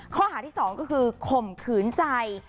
ข้อหาที่๒ก็คือข่มขืนใจ